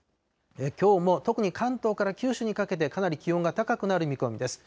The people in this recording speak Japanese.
きょうも特に関東から九州にかけて、かなり気温が高くなる見込みです。